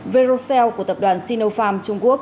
verocell của tập đoàn sinopharm